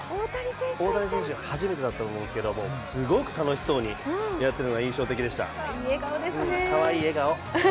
大谷選手、初めてだったと思うんですけど、すごく楽しそうにやっているのが印象的でした、かわいい笑顔。